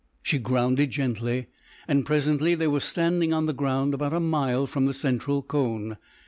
She grounded gently, and presently they were standing on the ground about a mile from the central cone.